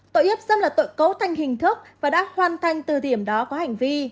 tội hiếp dâm là tội cấu thành hình thức và đã hoàn thành từ điểm đó có hành vi